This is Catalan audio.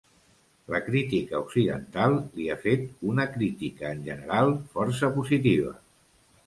La crítica occidental li ha fet una crítica, en general, força positiva.